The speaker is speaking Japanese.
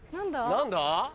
何だ？